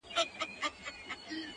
د ځوانيمرگ د هر غزل په سترگو کي يم’